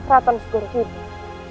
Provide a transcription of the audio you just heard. ratu nusgur tidur